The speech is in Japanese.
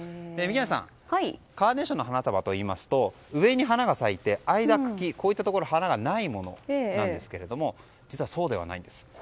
宮司さん、カーネーションの花束といいますと上に花が咲いて、間に茎があって花がないものですが実はそうではないんです。